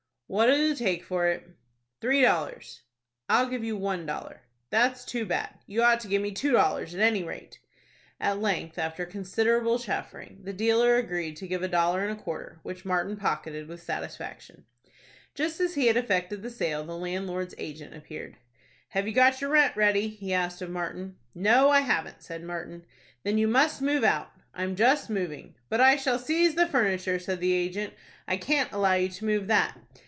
"What'll you take for it?" "Three dollars." "I'll give you one dollar." "That's too bad. You ought to give me two dollars, at any rate." At length, after considerable chaffering, the dealer agreed to give a dollar and a quarter, which Martin pocketed with satisfaction. Just as he had effected the sale, the landlord's agent appeared. "Have you got your rent ready?" he asked of Martin. "No, I haven't," said Martin. "Then you must move out." "I'm just moving." "But I shall seize the furniture," said the agent. "I can't allow you to move that."